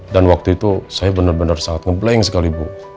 dan waktu itu saya benar benar sangat ngeblank sekali